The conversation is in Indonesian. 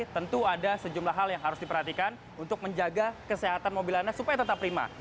tentu ada sejumlah hal yang harus diperhatikan untuk menjaga kesehatan mobil anda supaya tetap prima